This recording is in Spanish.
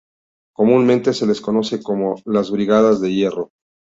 Comúnmente se les conoce como "las Brigadas de hierro".